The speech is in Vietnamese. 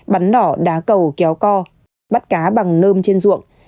bắn nỏ đá cầu kéo co bắt cá bằng nơm trên ruộng